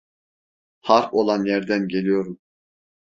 Harp olan yerden geliyorum.